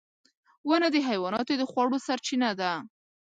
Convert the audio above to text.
• ونه د حیواناتو د خوړو سرچینه ده.